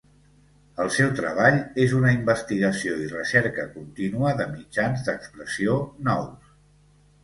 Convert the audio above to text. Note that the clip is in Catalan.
El seu treball és una investigació i recerca contínua de mitjans d'expressió nous.